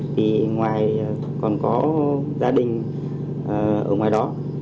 vì ngoài còn có gia đình ở ngoài đó